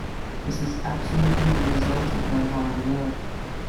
This is absolutely the result of my hard work.